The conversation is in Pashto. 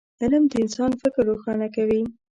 علم د انسان فکر روښانه کوي